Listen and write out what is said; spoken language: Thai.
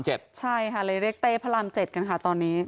ใช่ค่ะเลยเรียกเต้พระราม๗กันค่ะตอนนี้